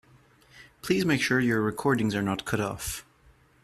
Please make sure your recordings are not cut off.